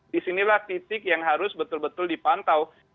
disinilah titik yang harus betul betul dipantau